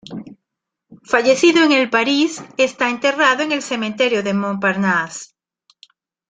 Fallecido el en París, está enterrado en el cementerio de Montparnasse.